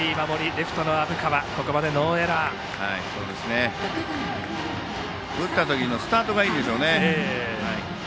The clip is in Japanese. レフトの虻川ここまでノーエラー。打った時のスタートがいいですよね。